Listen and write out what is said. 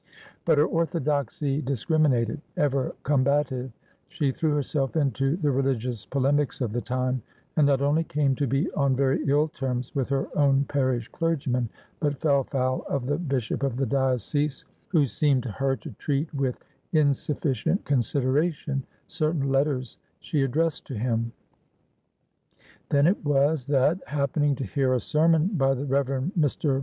But her orthodoxy discriminated; ever combative, she threw herself into the religious polemics of the time, and not only came to be on very ill terms with her own parish clergyman, but fell foul of the bishop of the diocese, who seemed to her to treat with insufficient consideration certain letters she addressed to him. Then it was that, happening to hear a sermon by the Rev. Mr.